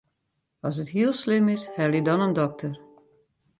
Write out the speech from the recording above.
As it hiel slim is, helje dan in dokter.